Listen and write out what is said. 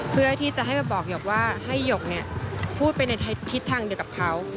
เพื่อที่จะให้มาบอกหยกว่าให้หยกพูดไปในทิศทางเดียวกับเขา